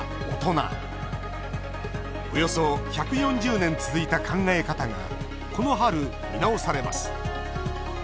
およそ１４０年続いた考え方がこの春、見直されます。